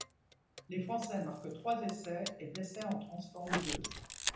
Les Français marquent trois essais et Besset en transforme deux.